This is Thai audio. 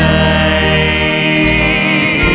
รักทั้งหมุนทั้งหมุน